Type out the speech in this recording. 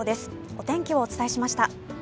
お天気をお伝えしました。